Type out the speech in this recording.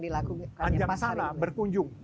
dilakukan anjang sana berkunjung